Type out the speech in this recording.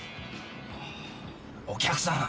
お客さん。